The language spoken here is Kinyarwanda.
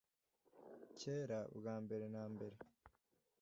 kera, bwa mbere na mbere.